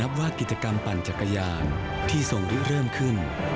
นับว่ากิจกรรมปั่นจักรยานที่ส่งริ้วเริ่มขึ้น